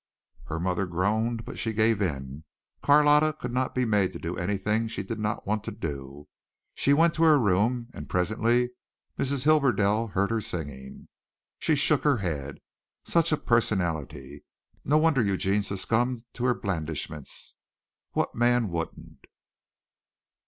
Her mother groaned, but she gave in. Carlotta could not be made to do anything she did not want to do. She went to her room, and presently Mrs. Hibberdell heard her singing. She shook her head. Such a personality. No wonder Eugene succumbed to her blandishments. What man wouldn't?